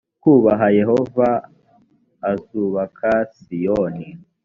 kubaha yehova azubaka siyoni